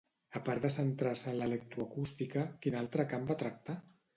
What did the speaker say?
A part de centrar-se en l'electroacústica quin altre camp va tractar?